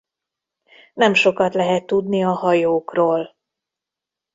Nem sokat lehet tudni a hajókról.